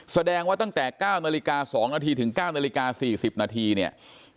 แสดงว่าตั้งแต่๙นาฬิกา๒นาทีถึง๙นาฬิกา๔๐นาทีเนี่ย